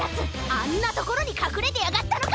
あんなところにかくれてやがったのか！